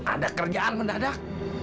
ada kerjaan mendadak